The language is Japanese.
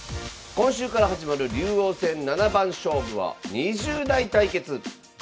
今週から始まる竜王戦七番勝負は２０代対決。